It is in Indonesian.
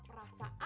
tidak bisa a